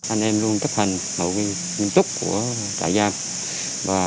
anh em luôn chấp hành một nguyên chúc của trại giam